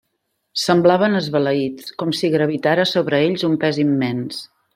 Semblaven esbalaïts, com si gravitara sobre ells un pes immens.